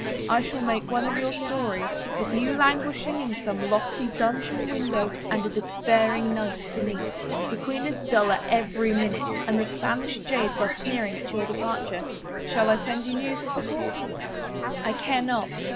I shall make one of your story, with you languish ing in some lofty dungeon window and a despairing knight beneath. The queen is duller every minute and the Spanish jades are sneering at your departure. ... Shall I send you news of the court?" "I care not."